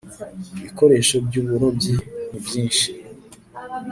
Ibikoresho by ‘uburobyi nibyishi.